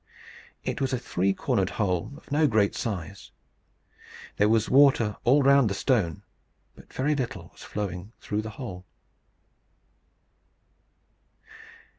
It was a three cornered hole of no great size. There was water all round the stone, but very little was flowing through the hole.